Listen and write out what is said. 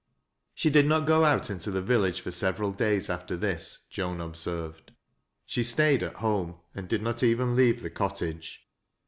She did not go out into the village for several daya after this, Joan observed. She stayed at home and did not even leave the cottage.